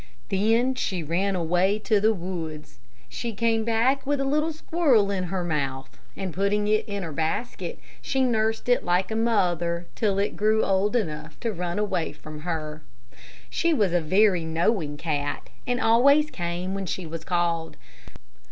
Then she ran away to the woods. She came back with a little squirrel in her mouth, and putting it in her basket, she nursed it like a mother, till it grew old enough to run away from her. She was a very knowing cat, and always came when she was called.